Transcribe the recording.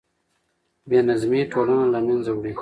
بې نظمي ټولنه له منځه وړي.